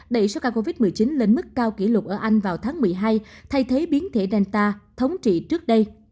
đẩy sars cov một mươi chín lên mức cao kỷ lục ở anh vào tháng một mươi hai thay thế biến thể delta thống trị trước đây